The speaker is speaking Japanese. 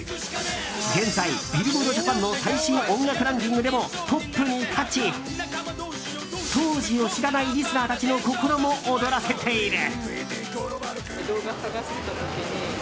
現在、ＢｉｌｌｂｏａｒｄＪＡＰＡＮの最新音楽ランキングでもトップに立ち当時を知らないリスナーたちの心も躍らせている。